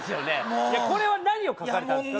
これは何を描かれたんすか？